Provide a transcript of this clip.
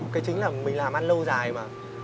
cái chính là mình làm ăn lâu dài mà